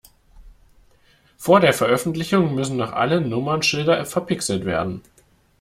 Vor der Veröffentlichung müssen noch alle Nummernschilder verpixelt werden.